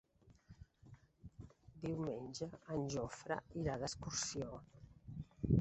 Diumenge en Jofre irà d'excursió.